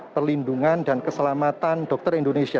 perlindungan dan keselamatan dokter indonesia